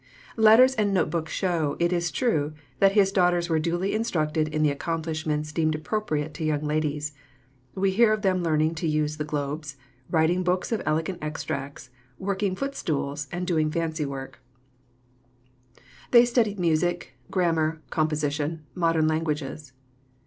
Letters and note books show, it is true, that his daughters were duly instructed in the accomplishments deemed appropriate to young ladies. We hear of them learning the use of the globes, writing books of elegant extracts, working footstools, and doing fancy work. They studied music, grammar, composition, modern languages.